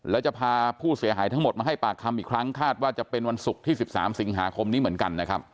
และจะพาผู้เสียหายทั้งหมดมาให้ปากคำอีกครั้งคาดว่าจะเป็นวันศุกร์ที่๑๓สิงหาคมนี้เหมือนกันนะครับ